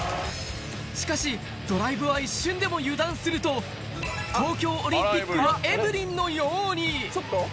しかしドライブは一瞬でも油断すると東京オリンピックのエブリンのようにちょっと？